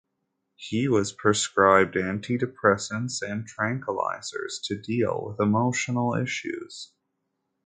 He was prescribed anti-depressants and tranquilizers to deal with emotional issues.